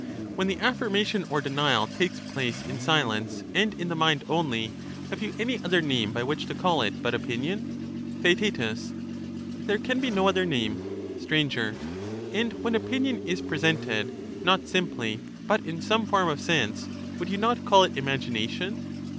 When the affirmation or denial takes place in silence and in the mind only, have you any other name by which to call it but opinion ? Theaet. There can be no other name. Str. And when opinion is presented, not simply, but in some form of sense, would you not call it imagination